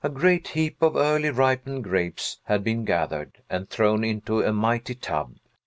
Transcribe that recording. A great heap of early ripened grapes had been gathered, and thrown into a mighty tub.